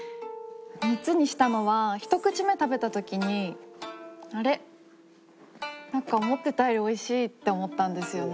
３つにしたのは１口目食べた時に「あれ？なんか思ってたより美味しい」って思ったんですよね。